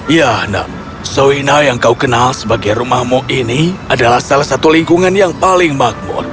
ya nam soina yang kau kenal sebagai rumahmu ini adalah salah satu lingkungan yang paling makmur